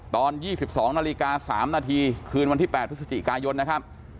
ตอนยี่สิบสองนาฬิกาสามนาทีคืนวันที่แปดพฤศจิกายนนะครับ